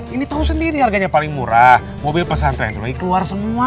ini tau sendiri harganya paling murah mobil pesan trendly keluar semua